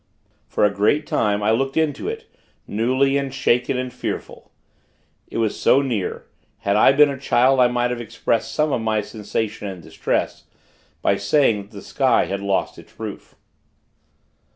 For a great time, I looked into it, newly, and shaken and fearful. It was so near. Had I been a child, I might have expressed some of my sensation and distress, by saying that the sky had lost its roof.